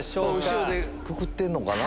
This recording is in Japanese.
後ろでくくってんのかな？